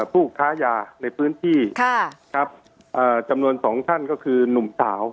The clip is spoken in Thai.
ผู้ค้ายาในพื้นที่จำนวน๒ท่านก็คือหนุ่มสาว